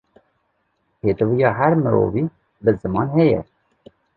Pêdiviya her mirovî, bi ziman heye